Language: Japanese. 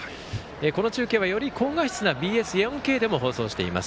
この中継は、より高画質なＢＳ４Ｋでも放送しています。